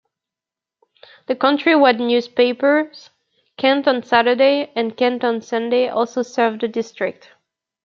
The county-wide newspapers "Kent on Saturday" and "Kent on Sunday" also serve the district.